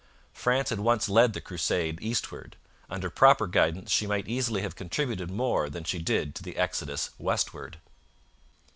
France had once led the crusade eastward. Under proper guidance she might easily have contributed more than she did to the exodus westward.